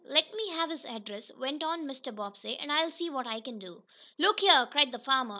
"Let me have his address," went on Mr. Bobbsey. "And I'll see what I can do." "Look here!" cried the farmer.